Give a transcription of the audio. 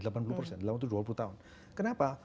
dalam waktu dua puluh tahun kenapa